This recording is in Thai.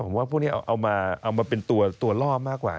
ผมว่าพวกนี้เอามาเป็นตัวล่อมากกว่า